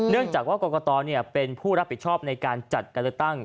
จากว่ากรกตเป็นผู้รับผิดชอบในการจัดการเลือกตั้ง